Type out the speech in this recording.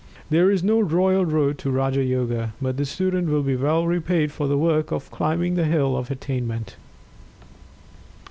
There is no royal road to Raja Yoga, but the student will be well repaid for the work of climbing the hill of Attainment.